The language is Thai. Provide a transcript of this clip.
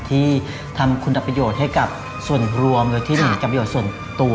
ที่ทำคุณบำยึกเกี่ยวกันให้คุณทุกคน